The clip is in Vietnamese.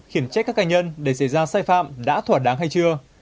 khiển trách các cá nhân để xảy ra sai phạm đã thỏa đáng hay chưa